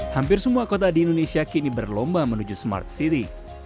hampir semua kota di indonesia kini berlomba menuju smart city